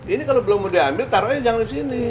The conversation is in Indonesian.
ini kalau belum mau diambil taruhnya jangan di sini